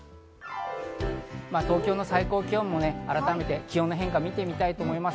東京の最高気温も改めて気温の変化を見てみます。